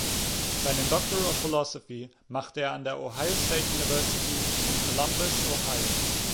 Seinen Doctor of Philosophy machte er an der Ohio State University in Columbus, Ohio.